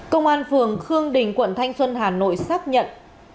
công an phường khương đình quận thanh xuân hà nội xác nhận